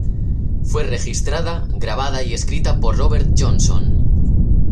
Fue registrada, grabada y escrita por Robert Johnson.